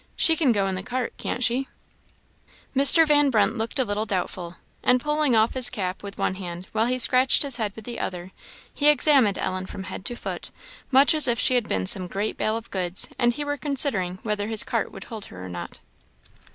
She can go in the cart, can't she?" Mr. Van Brunt looked a little doubtful, and pulling off his cap with one hand, while he scratched his head with the other, he examined Ellen from head to foot, much as if she had been some great bale of goods, and he were considering whether his cart would hold her or not.